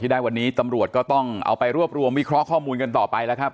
ได้วันนี้ตำรวจก็ต้องเอาไปรวบรวมวิเคราะห์ข้อมูลกันต่อไปแล้วครับ